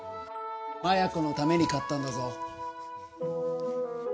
摩耶子のために買ったんだぞ。